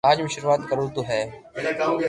اج مون ݾروعات ڪرو تو ھوئي